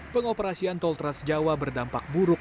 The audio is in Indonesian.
pengoperasian tol trans jawa berdampak buruk